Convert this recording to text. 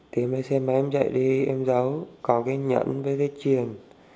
thì em lấy xe máy em chạy đi em giấu còn cái nhẫn với dây chiền